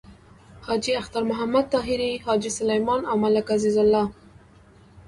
حاجی اختر محمد طاهري، حاجی سلیمان او ملک عزیز الله…